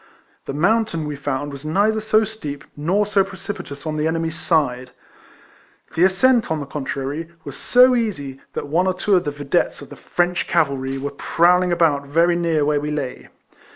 The mountain, we found, was neither so steep nor so precipitous on the enemy's side. The ascent, on the contrary, was so easy, that one or two of the videttes of the French cavalry were prowling about very near where we lay.